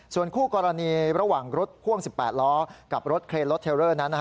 ส่วนคู่กรณีระหว่างรถพ่วง๑๘ล้อกับรถเครนรถเทลเลอร์นั้น